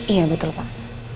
iya betul pak